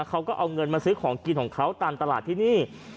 เขาก็เอาเงินมาซื้อของกินของเขาตามตลาดที่นี่